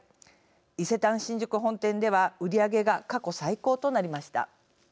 伊勢丹新宿本店では売り上げが過去最高となりました。